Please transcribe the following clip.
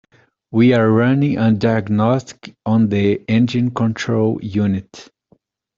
We are running a diagnostic on the engine control unit.